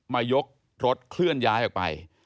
ยกรถเคลื่อนย้ายออกไป